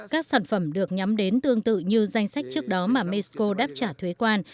các sản phẩm được nhắm đến tương tự như danh sách trước đó mà mexico đáp trả thuế quan